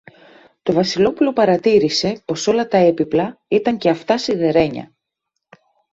Το Βασιλόπουλο παρατήρησε πως όλα τα έπιπλα ήταν και αυτά σιδερένια